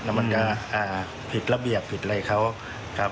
มันจะผิดระเบียบผิดอะไรเขา